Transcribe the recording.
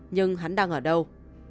nhưng hắn đang ở đâu